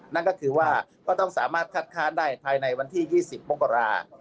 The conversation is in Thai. นั่นก็คือว่าก็ต้องสามารถคัดค้านได้ภายในวันที่๒๐มกรา